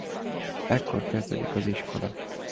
Ekkor kezdődik az iskola.